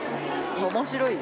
面白い？